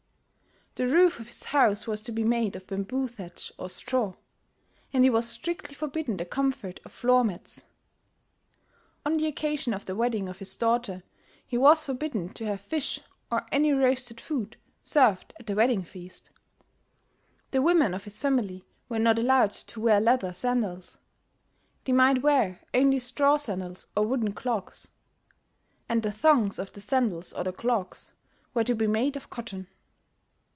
The roof of his house was to be made of bamboo thatch or straw; and he was strictly forbidden the comfort of floor mats. On the occasion of the wedding of his daughter he was forbidden to have fish or any roasted food served at the wedding feast. The women of his family were not allowed to wear leather sandals: they might wear only straw sandals or wooden clogs; and the thongs of the sandals or the clogs were to be made of cotton.